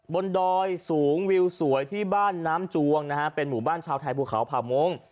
ดอยสูงวิวสวยที่บ้านน้ำจวงนะฮะเป็นหมู่บ้านชาวไทยภูเขาผ่ามง